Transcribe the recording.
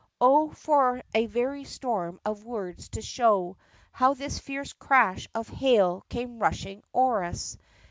Oh for a very storm of words to show How this fierce crash of hail came rushing o'er us!